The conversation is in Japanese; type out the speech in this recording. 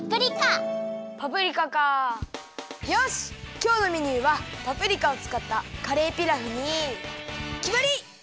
きょうのメニューはパプリカをつかったカレーピラフにきまり！